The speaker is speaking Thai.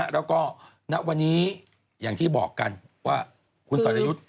แล้วก็ณวันนี้อย่างที่บอกกันว่าคุณสรยุทธ์